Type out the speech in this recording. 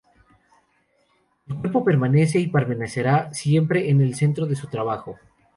El cuerpo permanece y permanecerá siempre en el centro de su trabajo.